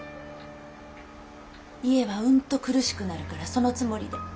家はうんと苦しくなるからそのつもりで。